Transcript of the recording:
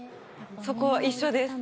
そこは一緒です